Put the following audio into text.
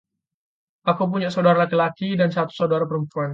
Aku punya dua saudara laki-laki dan satu saudara perempuan.